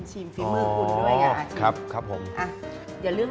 ชิมฟิเมอร์ขุ่นด้วย